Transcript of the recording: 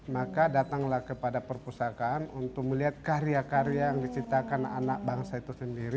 maka datanglah kepada perpustakaan untuk melihat karya karya yang diciptakan anak bangsa itu sendiri